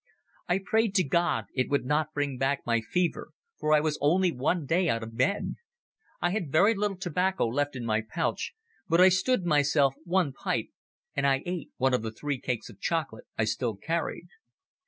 I prayed to God it would not bring back my fever, for I was only one day out of bed. I had very little tobacco left in my pouch, but I stood myself one pipe, and I ate one of the three cakes of chocolate I still carried.